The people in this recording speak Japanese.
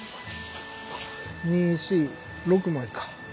２４６枚か。